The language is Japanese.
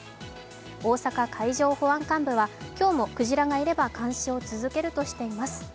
大阪海上保安監部は今日もクジラがいれば監視を続けるとしています。